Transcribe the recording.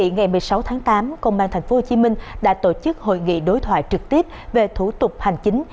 ngày một mươi sáu tháng tám công an tp hcm đã tổ chức hội nghị đối thoại trực tiếp về thủ tục hành chính